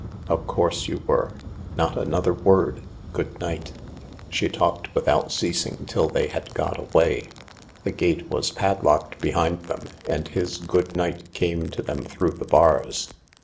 " Of course you were. Not another word. Good night," She talked without ceasing till they had got away. The gate was padlocked behind them and his goodnight came to them through the bars.